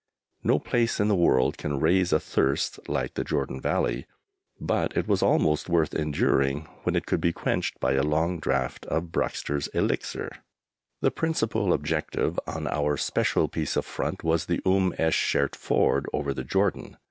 No place in the world can raise a thirst like the Jordan Valley, but it was almost worth enduring when it could be quenched by a long draught of Bruxner's elixir. The principal objective on our special piece of front was the Umm esh Shert Ford over the Jordan.